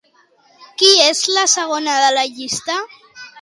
Qui és la segona de la llista?